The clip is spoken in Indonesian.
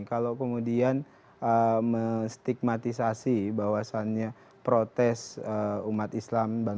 kalau kemudian menstigmatisasi bahwasannya protes umat islam